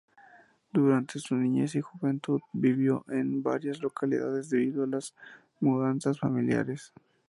Durante su niñez y juventud vivió en varias localidades debido a las mudanzas familiares.